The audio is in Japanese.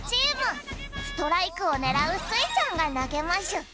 ストライクをねらうスイちゃんがなげましゅ